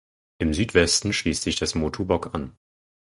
Im Südwesten schließt sich das Motu Bock an.